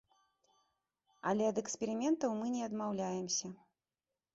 Але ад эксперыментаў мы не адмаўляемся!